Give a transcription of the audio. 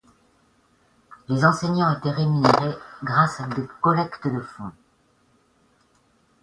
Les enseignants étaient rémunérés grâce à des collectes de fonds.